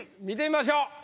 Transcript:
見てみましょう。